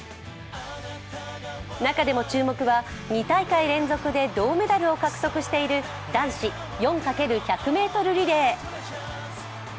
中でも注目は２大会連続で銅メダルを獲得している男子４×１００ｍリレー。